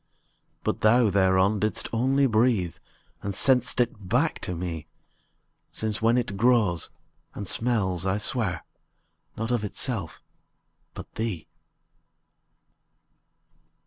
But thou thereon didst only breathe, And sent'st back to me: Since when it grows, and smells, I swear, Not of itself, but thee.